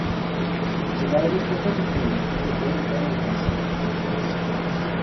Su madre es puertorriqueña y fue educado en casa.